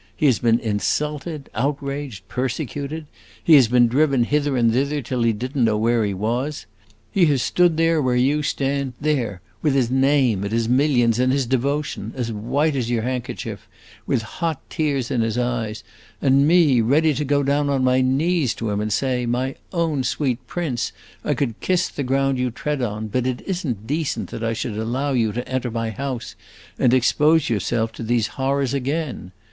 He has been insulted, outraged, persecuted! He has been driven hither and thither till he did n't know where he was. He has stood there where you stand there, with his name and his millions and his devotion as white as your handkerchief, with hot tears in his eyes, and me ready to go down on my knees to him and say, 'My own sweet prince, I could kiss the ground you tread on, but it is n't decent that I should allow you to enter my house and expose yourself to these horrors again.